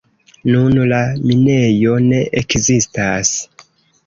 Nun la minejo ne ekzistas.